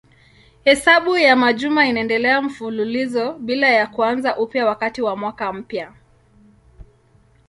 Hesabu ya majuma inaendelea mfululizo bila ya kuanza upya wakati wa mwaka mpya.